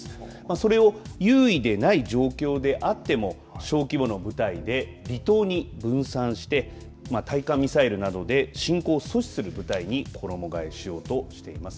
それを優位でない状況であっても小規模の部隊で、離島に分散して対艦ミサイルなどで侵攻を阻止する部隊に衣がえしようとしています。